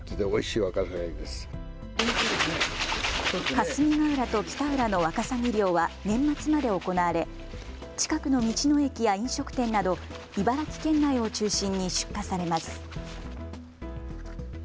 霞ヶ浦と北浦のワカサギ漁は年末まで行われ近くの道の駅や飲食店など茨城県内を中心に出荷されます。